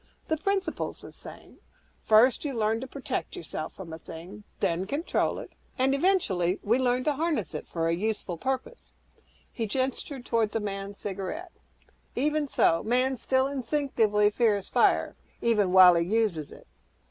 The principle's the same; First you learn to protect yourself from a thing; then control it; and, eventually, we learn to 'harness' it for a useful purpose." He gestured toward the man's cigarette, "Even so, man still instinctively fears fire even while he uses it.